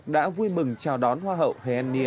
đã vui mừng chào đón hoa hậu hồ hèn nghê